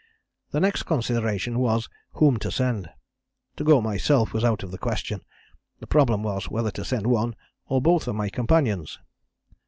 The next consideration was, whom to send. To go myself was out of the question. The problem was whether to send one, or both, my companions.